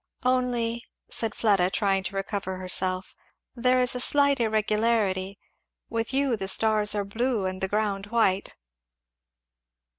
"Only," said Fleda trying to recover herself, "there is a slight irregularity with you the stars are blue and the ground white."